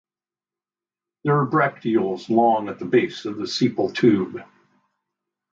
There are bracteoles long at the base of the sepal tube.